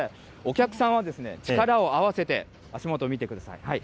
お客さんは力を合わせて、足元見てください。